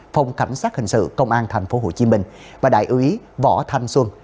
phòng cảnh sát hình sự công an tp hcm và đại úy võ thanh xuân